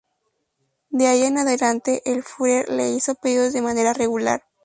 De ahí en adelante, el Führer le hizo pedidos de manera regular.